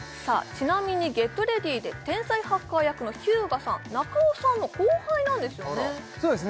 ちなみに「ＧｅｔＲｅａｄｙ！」で天才ハッカー役の日向さん中尾さんの後輩なんですよね